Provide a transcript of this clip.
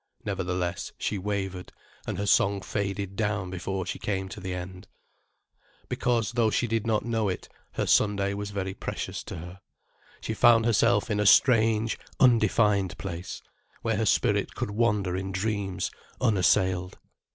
Nevertheless, she wavered. And her song faded down before she came to the end. Because, though she did not know it, her Sunday was very precious to her. She found herself in a strange, undefined place, where her spirit could wander in dreams, unassailed.